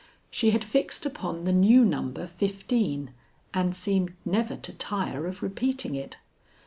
She had fixed upon the new number fifteen and seemed never to tire of repeating it.